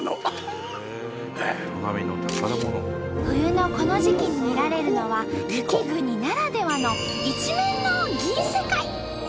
冬のこの時期に見られるのは雪国ならではの一面の銀世界。